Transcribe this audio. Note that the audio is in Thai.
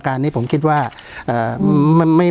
การแสดงความคิดเห็น